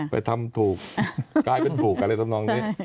ไปทำถูกกลายเป็นถูกอะไรทำนองนี้